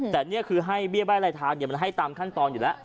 แต่นี่คือให้เบี้ยใบ้ลายทางมันให้ตามขั้นตอนอยู่แล้ว